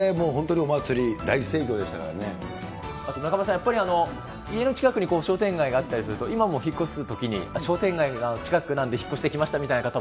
先々でもう本当にお祭り、あと中丸さん、やっぱり家の近くに商店街があったりすると、今も引っ越すときに商店街が近くなんで引っ越してきましたみたい